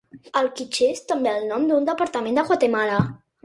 El Quiché és també el nom d'un departament de Guatemala.